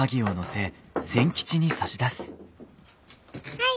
はい。